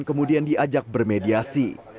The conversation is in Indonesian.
kemudian diajak bermediasi